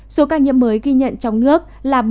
số ca nhiễm mới ghi nhận trong nước là bảy trăm một mươi bốn